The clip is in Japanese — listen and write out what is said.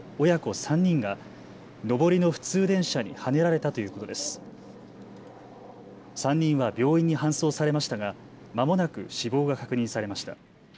３人は病院に搬送されましたがまもなく死亡が確認されました。